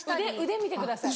腕見てください。